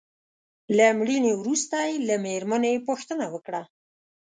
له مړینې وروسته يې له مېرمنې پوښتنه وکړه.